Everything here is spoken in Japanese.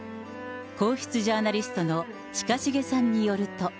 皇室ジャーナリストの近重さんによると。